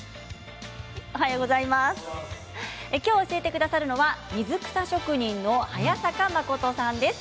きょう教えてくださるのは水草職人の早坂誠さんです。